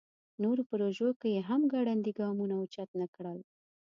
نورو پروژو کې یې هم ګړندي ګامونه اوچت نکړل.